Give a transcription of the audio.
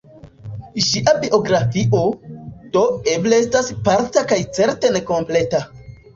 Ŝia biografio, do, eble estas parta kaj certe nekompleta.